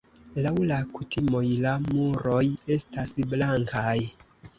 Laŭ la kutimoj la muroj estas blankaj.